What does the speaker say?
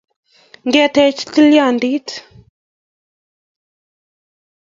ngeteech tilyandit